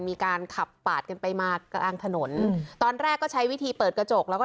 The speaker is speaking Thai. มีการขับปาดกันไปมากลางถนนตอนแรกก็ใช้วิธีเปิดกระจกแล้วก็